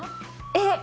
えっ！